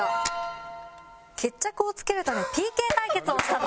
決着をつけるためＰＫ対決をしたと。